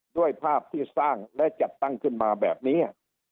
ด้วยภาพที่สร้างและจัดตั้งขึ้นมาแบบนี้